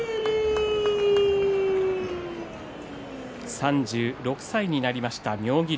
３６歳になりました、妙義龍。